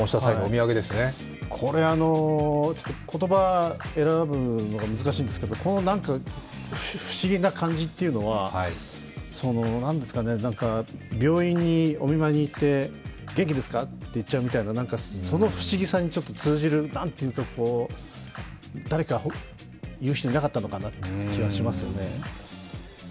これ、言葉を選ぶのが難しいんですけどこの不思議な感じというのは、病院にお見舞いに行って元気ですかと言っちゃうみたいな、その不思議さに通じる、何て言うんですか、誰か言う人いなかったんですかという気がしますよね。